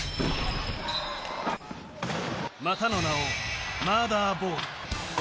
またの名をマーダーボール。